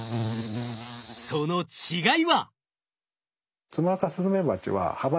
その違いは。